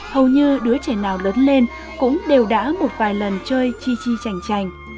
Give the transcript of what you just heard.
hầu như đứa trẻ nào lớn lên cũng đều đã một vài lần chơi chi chi chành chành